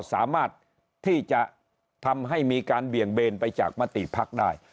สามารถที่จะทำให้มีการเบี่ยงเบนไปจากมติภักดิ์ได้